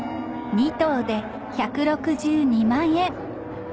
２頭で１６２万円